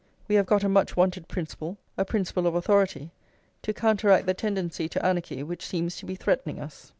We have got a much wanted principle, a principle of authority, to counteract the tendency to anarchy which seems to be threatening us.